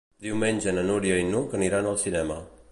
Diumenge na Núria i n'Hug aniran al cinema.